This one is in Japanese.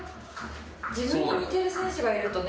自分に似てる選手がいるとね